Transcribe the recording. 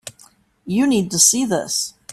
You need to see this.